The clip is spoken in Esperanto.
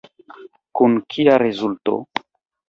Kun kia rezulto?